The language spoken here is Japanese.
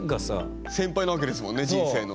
先輩なわけですもんね人生の。